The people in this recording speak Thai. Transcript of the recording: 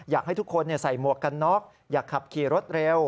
อยากให้ทุกคนใส่หมวกกันน็อกอยากขับขี่รถเร็ว